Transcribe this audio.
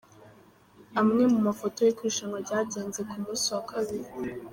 Amwe mu mafoto y’uko irushanwa ryagenze ku munsi wa kabiri.